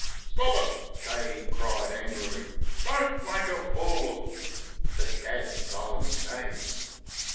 "Stop it!" Dave cried angrily, "don't make a fool o' " But Dad silenced Dave.